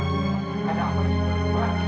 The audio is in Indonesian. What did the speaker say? kamu harus kembali ke rumah